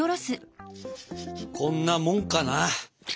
こんなモンかな？